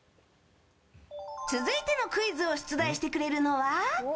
続いてのクイズを出題してくれるのは。